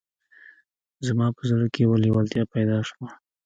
زما په زړه کې یوه لېوالتیا پیدا شوه